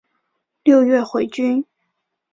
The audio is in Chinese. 六月回军。